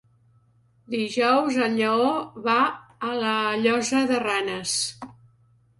Dijous en Lleó va a la Llosa de Ranes.